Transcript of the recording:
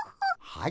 はい。